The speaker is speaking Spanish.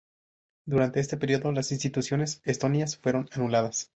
Durante este periodo las instituciones estonias fueron anuladas.